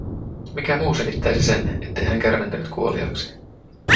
Mikä muu selittäisi sen, ettei hän kärventynyt kuoliaaksi?